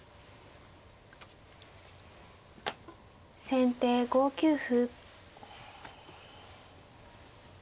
先手５九歩。